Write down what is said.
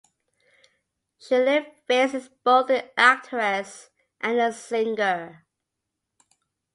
Schuyler Fisk is both an actress and a singer.